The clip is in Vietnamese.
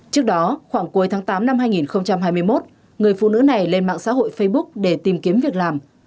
trước đó khoảng cuối tháng tám năm hai nghìn hai mươi một người phụ nữ này lên mạng xã hội facebook để tìm kiếm việc làm